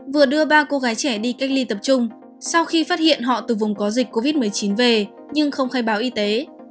vừa đưa ba cô gái trẻ đi cách ly tập trung sau khi phát hiện họ từ vùng có dịch covid một mươi chín về nhưng không khai báo y tế